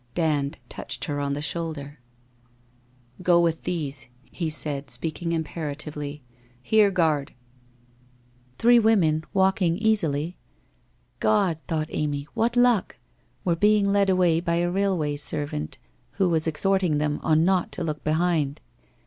Dand touched her on the shoulder. Mio with these,' he raid speaking imperatively. 'Here, Guard!' Three women, walking easily — 'God!' thought Amy, 1 what lnek !' were being led away by a railway servant who ffU exhorting them not to look hehind.